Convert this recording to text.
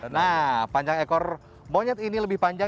nah panjang ekor monyet ini lebih panjang